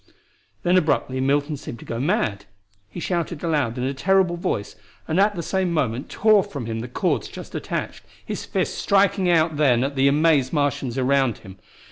Then abruptly Milton seemed to go mad. He shouted aloud in a terrible voice, and at the same moment tore from him the cords just attached, his fists striking out then at the amazed Martians around him.